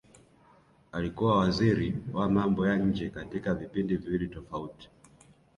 Alikuwa waziri wa mambo ya nje katika vipindi viwili tofauti